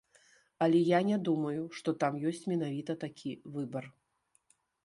Але я не думаю, што там ёсць менавіта такі выбар.